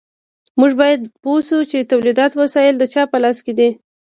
موږ باید پوه شو چې د تولید وسایل د چا په لاس کې دي.